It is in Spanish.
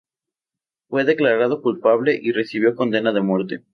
Fue declarado culpable y recibió condena de muerte.